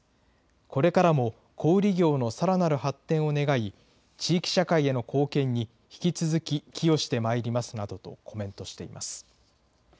これからも、小売り業のさらなる発展を願い、地域社会への貢献に引き続き寄与してまいりますなどとコメントしています。